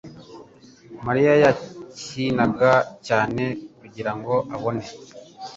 Mariya yakinaga cyane kugirango abone